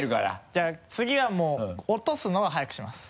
じゃあ次はもう落とすのを早くします。